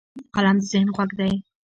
قلم د ذهن غوږ دی